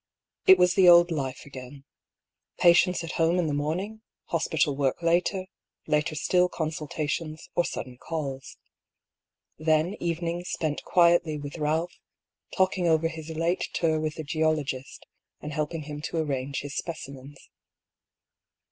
It was the old life again. Patients at home in the morning, hospital work later, later still consultations or sudden calls. Then evenings spent quietly with Ealph, talking over his late tour with the geologist and helping him to arrange his specimens.